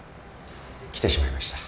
来てしまいました。